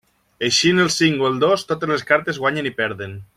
Eixint el cinc o el dos totes les cartes guanyen i perden.